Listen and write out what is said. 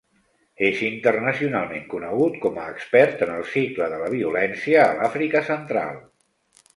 És internacionalment conegut com a expert en el cicle de la violència a l'Àfrica Central.